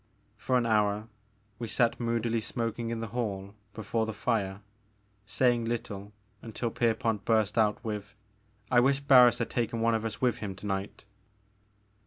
For an hour we sat moodily smoking in the hall before the fire, saying little until Pierpont burst out with: '*I wish Barns had taken one of us with him to night